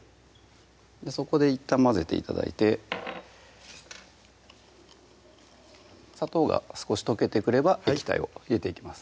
そこでいったん混ぜて頂いて砂糖が少し溶けてくれば液体を入れていきます